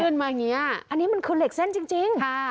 นี่อันนี้มันคือเหล็กเส้นจริง